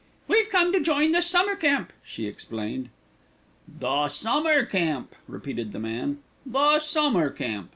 "We've come to join the Summer Camp," she explained. "The Summer Camp!" repeated the man, "the Summer Camp!"